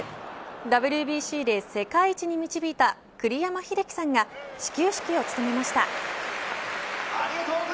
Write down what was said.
ＷＢＣで世界一に導いた栗山英樹さんが始球式を務めました。